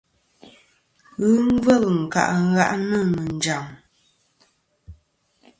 Ghɨ ngvêl nkâʼ ngàʼnɨ̀ nɨ̀ njàm.